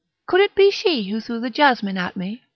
could it be she who threw the jasmine at me?"